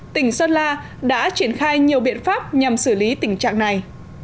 tỉnh sơn la đã triển khai nhiều biện pháp nhằm xử lý tình trạng này